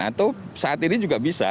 atau saat ini juga bisa